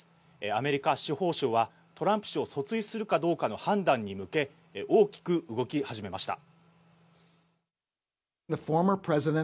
アメリカ司法省は、トランプ氏を訴追するかどうかの判断に向け、大きく動き始めました。